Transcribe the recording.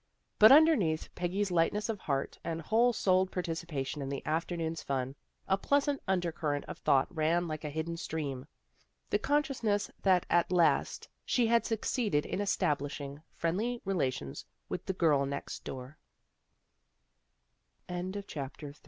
But underneath Peggy's lightness of heart, and whole souled participation in the afternoon's fun, a pleasant undercurrent of thought ran like a hidden stream, the consciousness that at last she had succeeded in establishing friendly relations with the